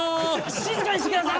静かにしてください！